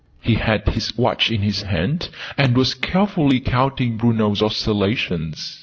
He had his watch in his hand, and was carefully counting Bruno's oscillations.